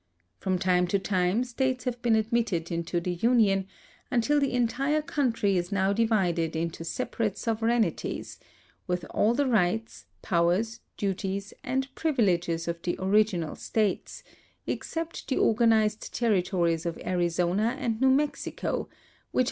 From time to time states have been admitted into the Union, until the entire country is now divided into separate sovereignties, with all the rights, powers, duties, and privileges of the original states, excej^t the organized territories of Arizona and New Mexico, which are.